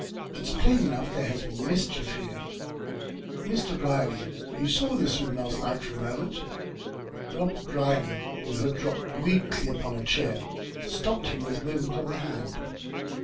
"It's plain enough there has been mischief here. Mr. Brierly, you saw this room last night, for a moment." Robert Brierly, who had dropped weakly upon a chair, stopped him with a movement of the hand.